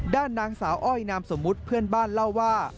ด้านนางสาวอ้อยนามสมมุติเพื่อนบ้านเล่าว่า